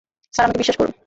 Sir, আমাকে বিশ্বাস করুন।